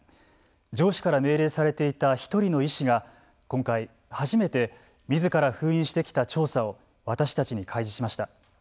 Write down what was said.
上司から命令されていた１人の医師が今回初めてみずから封印してきた調査を私たちに開示しました。